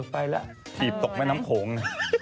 ไปแล้วถีบตกแม่น้ำโขงนะ